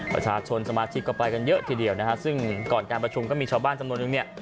สมาชิกก็ไปกันเยอะทีเดียวนะฮะซึ่งก่อนการประชุมก็มีชาวบ้านจำนวนนึงเนี่ย